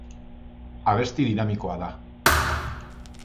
Abesti dinamikoa da.